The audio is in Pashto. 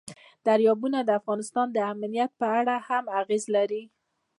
دریابونه د افغانستان د امنیت په اړه هم اغېز لري.